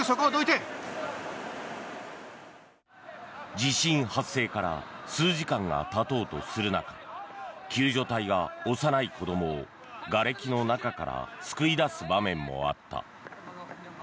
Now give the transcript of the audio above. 地震発生から数時間がたとうとする中救助隊が幼い子どもをがれきの中から救い出す場面もあった。